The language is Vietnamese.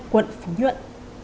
quận phú nhuận